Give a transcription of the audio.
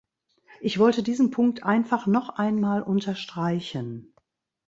Ich wollte diesen Punkt einfach noch einmal unterstreichen.